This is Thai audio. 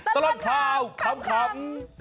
ตลอดข่าวขำ